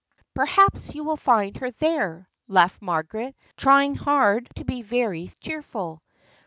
" Perhaps you will find her there !" laughed Margaret, trying hard to be very cheerful.